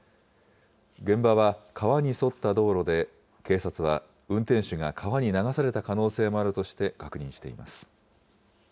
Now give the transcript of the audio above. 現場は川に沿った道路で、警察は運転手が川に流された可能性もあるとして確認しています。